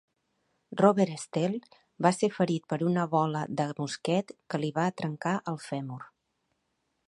Robert Stell va ser ferit per una bola de mosquet que li va trencar el fèmur.